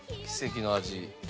奇跡の味。